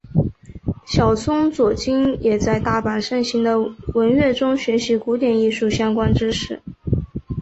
小松左京也在大阪盛行的文乐中学习古典艺术相关知识。